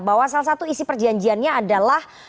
bahwa salah satu isi perjanjiannya adalah